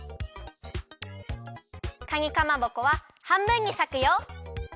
かにかまぼこははんぶんにさくよ。